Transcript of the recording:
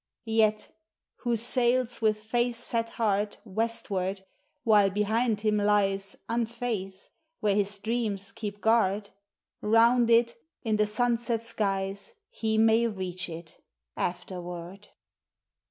Yet! who sails with face set hard Westward, while behind him lies Unfaith; where his dreams keep guard Round it, in the sunset skies, He may reach it afterward.